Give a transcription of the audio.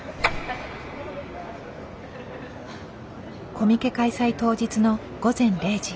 コミケ開催当日の午前０時。